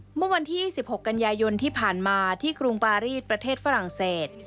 เมื่อวันที่๒๖กันยายนที่ผ่านมาที่กรุงปารีสประเทศฝรั่งเศส